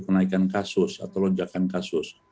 kenaikan kasus atau lonjakan kasus